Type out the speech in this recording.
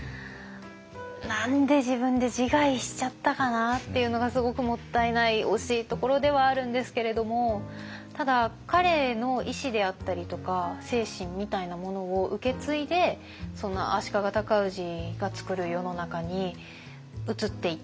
何で自分で自害しちゃったかなっていうのがすごくもったいない惜しいところではあるんですけれどもただ彼の意思であったりとか精神みたいなものを受け継いでその足利尊氏が作る世の中に移っていった。